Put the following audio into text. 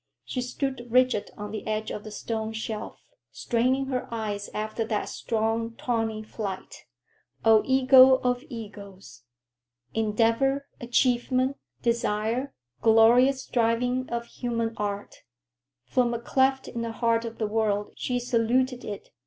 She stood rigid on the edge of the stone shelf, straining her eyes after that strong, tawny flight. O eagle of eagles! Endeavor, achievement, desire, glorious striving of human art! From a cleft in the heart of the world she saluted it...